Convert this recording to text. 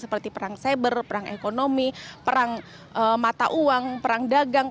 seperti perang cyber perang ekonomi perang mata uang perang dagang